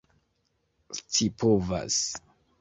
scipovas